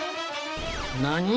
何！？